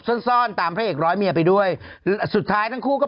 สั่งเมมนี่ดูนานนะครับ